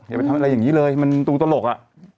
อย่าไปทำอะไรอย่างนี้เลยมันดูตลกอ่ะ